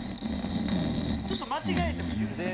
ちょっと間違えても許してな。